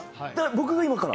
僕が今から？